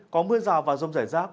có mưa rào và rông giải rác